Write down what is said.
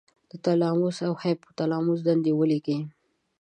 د تلاموس او هایپو تلاموس دندې ولیکئ.